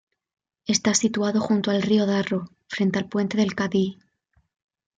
Está situado junto al río Darro, frente al Puente del Cadí.